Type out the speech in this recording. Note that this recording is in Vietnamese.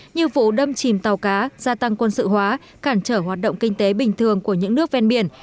như vụ đâm chìm tàu cá gia tăng quân sự hóa cản trở hoạt động kinh tế bình thường của những nước ven biển